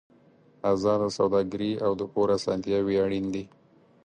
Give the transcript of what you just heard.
ازاده سوداګري او د پور اسانتیاوې اړین دي.